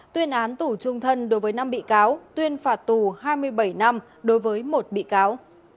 tuyên án tù trung thân đối với năm bị cáo tuyên phạt tù hai mươi bảy năm đối với một bị cáo